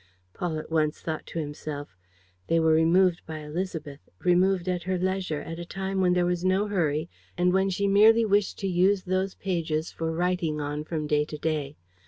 Paul at once thought to himself: "They were removed by Élisabeth, removed at her leisure, at a time when there was no hurry and when she merely wished to use those pages for writing on from day to day.